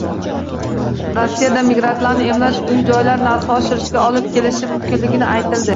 Rossiyada migrantlarni emlash uy-joylar narxi oshishiga olib kelishi mumkinligi aytildi